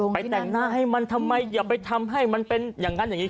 แต่งหน้าให้มันทำไมอย่าไปทำให้มันเป็นอย่างนั้นอย่างนี้